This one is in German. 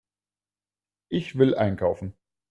Ich will einkaufen.